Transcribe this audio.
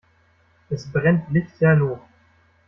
Es brennt lichterloh.